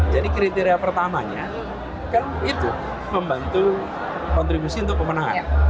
jadi kriteria pertamanya kan itu membantu kontribusi untuk kemenangan